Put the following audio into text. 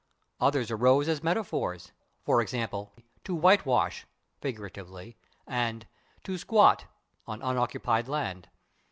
Others arose as metaphors, /e. g./, /to whitewash/ (figuratively) and /to squat/ (on unoccupied land).